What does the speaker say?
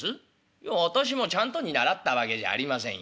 「いや私もちゃんとに習ったわけじゃありませんよ。